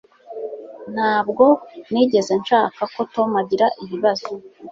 ntabwo nigeze nshaka ko tom agira ibibazo